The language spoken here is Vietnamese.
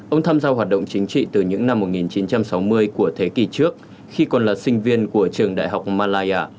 ông tham gia hoạt động chính trị từ những năm một nghìn chín trăm sáu mươi của thế kỷ trước khi còn là sinh viên của trường đại học malaysia